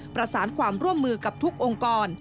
ประสานความร่วมมือกับทุกองค์กร